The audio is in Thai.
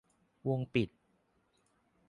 วงปิด